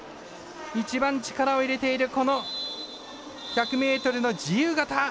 一番、力を入れているこの１００ｍの自由形。